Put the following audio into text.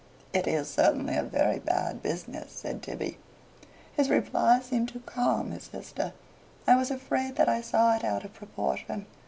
"It is certainly a very bad business," said Tibby. His reply seemed to calm his sister. "I was afraid that I saw it out of proportion.